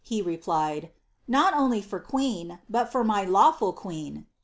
He replied, ^ Not queen, but for my lawful queen."